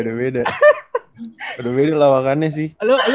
udah beda lawakannya sih